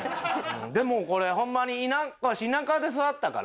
でもこれホンマにわし田舎で育ったから。